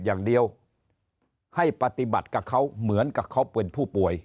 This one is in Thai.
อย่างเดียวให้ปฏิบัติกับเขาเหมือนกับเขาเป็นผู้ป่วย